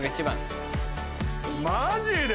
マジで？